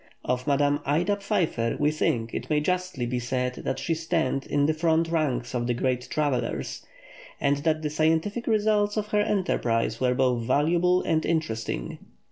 Of Madame Ida Pfeiffer we think it may justly be said that she stands in the front ranks of the great travellers, and that the scientific results of her enterprise were both valuable and interesting.